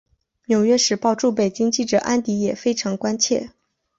纽约时报驻北京记者安迪也非常关切。